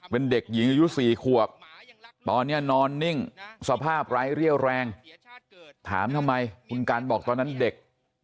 เป็นเด็กหญิงอายุ๔ขวบตอนนี้นอนนิ่งสภาพไร้เรี่ยวแรงถามทำไมคุณกันบอกตอนนั้นเด็ก